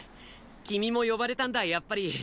君も呼ばれたんだやっぱり。